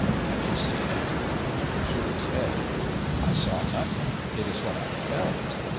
"Have you seen it?" He shook his head. "I saw nothing; it is what I felt."